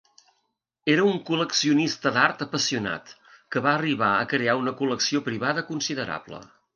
Era un col·leccionista d'art apassionat, que va arribar a crear una col·lecció privada considerable.